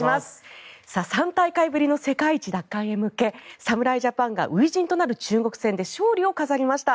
３大会ぶりの世界一奪還に向け侍ジャパンが初陣となる中国戦で勝利を飾りました。